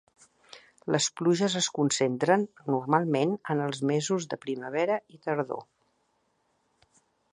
Les pluges es concentren, normalment, en els mesos de primavera i tardor.